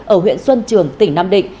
ở huyện xuân trường tỉnh nam định